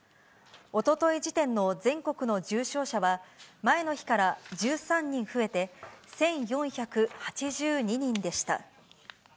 おととい時点の全国の重症者は、前の日から１３人増えて、１４８２人でした。